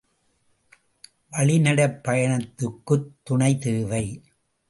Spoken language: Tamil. வழிநடைப் பயணத்துக்குத் துணை தேவை.